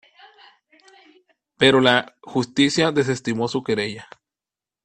Pero la justicia desestimó su querella.